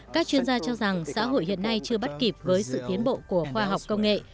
các chuyên gia cho rằng xã hội hiện nay chưa bắt kịp với sự tiến bộ của khoa học công nghệ